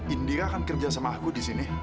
indira kan kerja sama aku disini